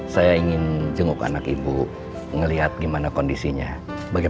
sudah alat lagi